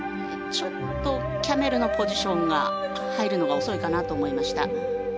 ちょっとキャメルのポジションが入るのが遅いかなと思いました。